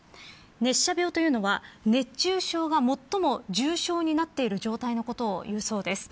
熱射病は熱中症の最も重症になっている状態のことを言うそうです。